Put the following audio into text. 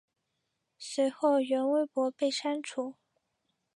随后原微博被删除。